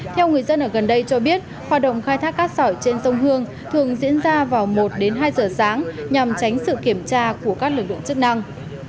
theo người dân ở gần đây cho biết hoạt động khai thác cát sỏi trên sông hương thường diễn ra vào một đến hai giờ sáng nhằm tránh sự kiểm tra của các lực lượng chức năng